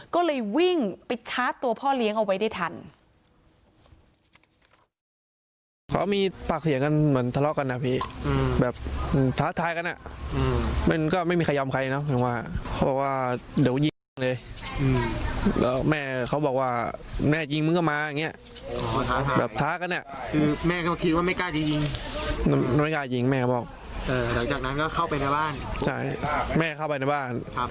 ก็เลยวิ่งไปชาร์จตัวพ่อเลี้ยงเอาไว้ได้ทัน